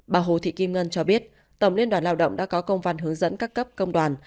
bà hồ thị kim ngân cho biết tổng liên đoàn lao động đã có công văn hướng dẫn các cấp công đoàn